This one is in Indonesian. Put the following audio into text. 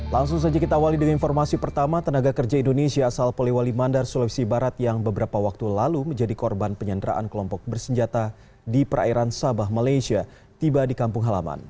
langsung saja kita awali dengan informasi pertama tenaga kerja indonesia asal polewali mandar sulawesi barat yang beberapa waktu lalu menjadi korban penyanderaan kelompok bersenjata di perairan sabah malaysia tiba di kampung halaman